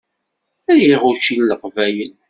Riɣ učči n Leqbayel.